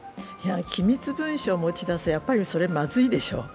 機密文書を持ち出す、やっぱりそれはまずいでしょう。